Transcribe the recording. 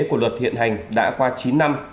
của luật hiện hành đã qua chín năm